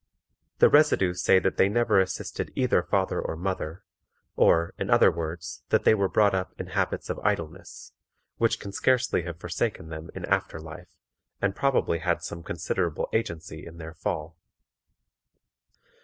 The residue say that they never assisted either father or mother, or, in other words, that they were brought up in habits of idleness, which can scarcely have forsaken them in after life, and probably had some considerable agency in their fall.